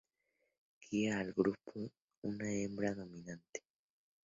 Guía al grupo una hembra dominante.